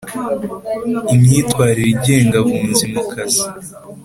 imyitwarire igenga abunzi mu kazi